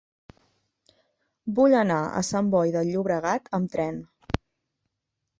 Vull anar a Sant Boi de Llobregat amb tren.